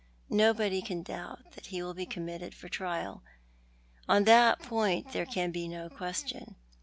Nobody can doubt that ho will be committed for trial. On that point there can be no question.